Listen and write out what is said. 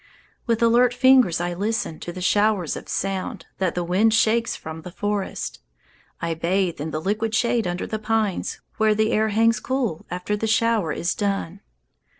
With alert fingers I listen To the showers of sound That the wind shakes from the forest. I bathe in the liquid shade Under the pines, where the air hangs cool After the shower is done.